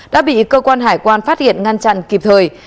đã bị cơ quan hải quan phát hiện ngăn chặn kịp thời